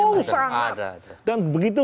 oh sangat dan begitu